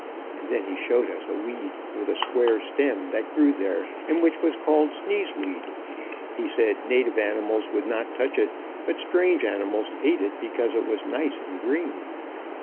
And then he showed us a weed, with a square stem, that grew there, and which was called sneeze weed. He said native animals would not touch it, but strange animals eat it because it was nice and green.